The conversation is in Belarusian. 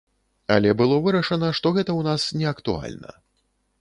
Але было вырашана, што гэта ў нас неактуальна.